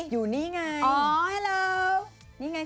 อยู่นี่ไง